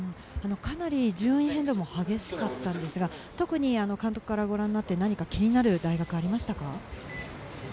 かなり順位変動も激しかったですが、特に監督からご覧になって何か気になる大学はありましたか？